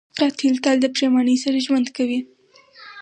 قاتل تل د پښېمانۍ سره ژوند کوي